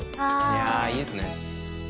いやいいですね。